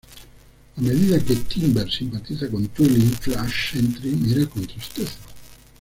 A medida que Timber simpatiza con Twilight, Flash Sentry mira con tristeza.